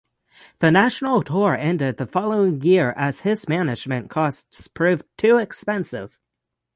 The national tour ended the following year as his management costs proved too expensive.